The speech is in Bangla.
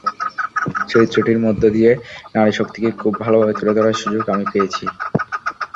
চরিত্রটির মধ্য দিয়ে নারীশক্তিকে খুব ভালোভাবে তুলে ধরার সুযোগ আমি পেয়েছি।